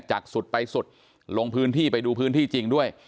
สุดไปสุดลงพื้นที่ไปดูพื้นที่จริงด้วย